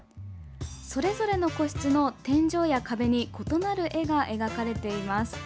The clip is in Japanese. それぞれの個室の天井や壁に異なる絵が描かれています。